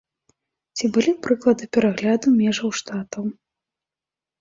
Ці былі прыклады перагляду межаў штатаў?